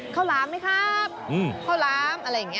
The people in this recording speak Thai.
ข้าวล้ำไหมครับข้าวล้ำอะไรอย่างนี้